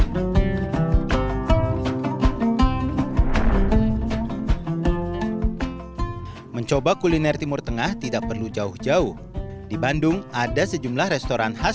hai mencoba kuliner timur tengah tidak perlu jauh jauh di bandung ada sejumlah restoran khas